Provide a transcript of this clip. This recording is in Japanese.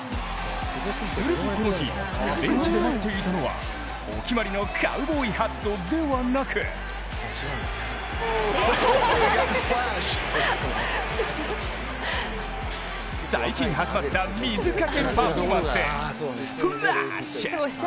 するとこの日、ベンチで待っていたのはお決まりのカウボーイハットではなく最近始まった水かけパフォーマンス、スプラッシュ。